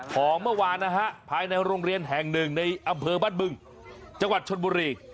ของเมื่อวานนะฮะภายในโรงเรียนแห่งหนึ่งในอำเภอบ้านบึงจังหวัดชนบุรี